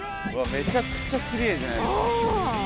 めちゃくちゃきれいじゃないですか。